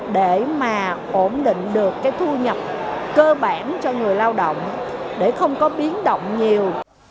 để mà ổn định được cái thu nhập cơ bản cho người lao động để không có biến động nhiều